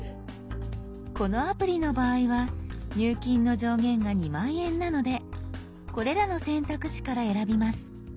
このアプリの場合は入金の上限が２０，０００円なのでこれらの選択肢から選びます。